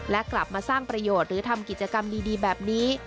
และกลับมาสร้างประโยชน์หรือทำกิจกรรมดีแบบนี้